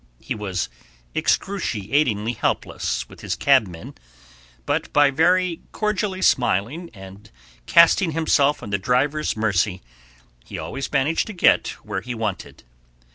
He was excruciatingly helpless with his cabmen, but by very cordially smiling and casting himself on the drivers' mercy he always managed to get where he wanted.